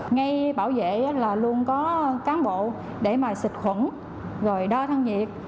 ngay bảo vệ là luôn có cán bộ để mà xịt khuẩn rồi đo thân nhiệt